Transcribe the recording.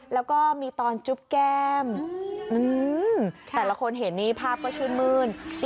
แล้วก็มีตอนจุ๊บแก้มแต่ละคนเห็นนี้ภาพก็ชื่นมื้น